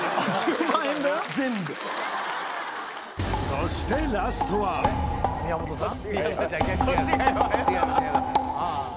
そしてラストは宮本さん？